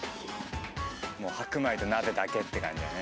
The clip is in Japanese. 白米と鍋だけって感じだね。